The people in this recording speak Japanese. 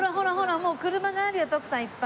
もう車があるよ徳さんいっぱい。